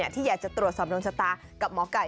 ที่อยากจะตรวจสอบดวงชะตากับหมอไก่